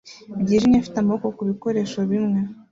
byijimye afite amaboko kubikoresho bimwe